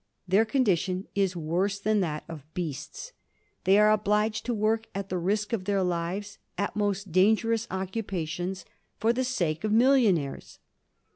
Their condition is worse than that of beasts. They are obliged to work, at the risk of their lives, at most dangerous occupations, for the sake of millionaires.